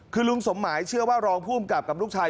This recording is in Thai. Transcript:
คือลุงสมหมายเชื่อว่ารองภูมิกับกับลูกชาย